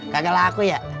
kagal aku ya